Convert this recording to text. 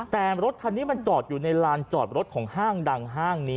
แต่รถคันนี้มันจอดอยู่ในลานจอดรถของห้างดังห้างนี้